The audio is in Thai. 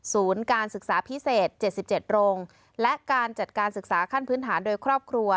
การศึกษาพิเศษ๗๗โรงและการจัดการศึกษาขั้นพื้นฐานโดยครอบครัว